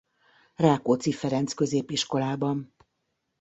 Rákóczi Ferenc Középiskolában.